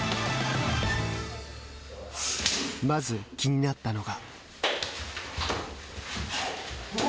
まず気になったのが。